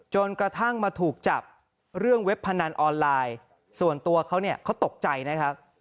จนกระทั่งมาถูกจับเรื่องเว็บพนันออนไลน์ส่วนตัวเขาเนี่ยเขาตกใจนะครับ